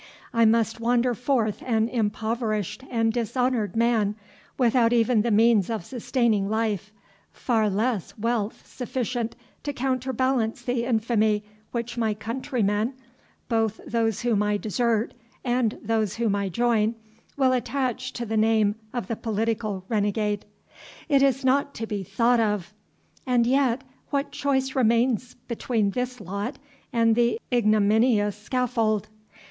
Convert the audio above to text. I must wander forth an impoverished and dishonoured man, without even the means of sustaining life, far less wealth sufficient to counterbalance the infamy which my countrymen, both those whom I desert and those whom I join, will attach to the name of the political renegade. It is not to be thought of. And yet, what choice remains between this lot and the ignominious scaffold?